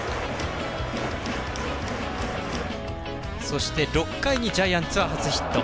そして、６回にジャイアンツは初ヒット。